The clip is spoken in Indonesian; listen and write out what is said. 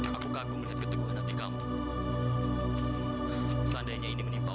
tentu saja aku tidak punya tujuan dan ingin sekali mati mas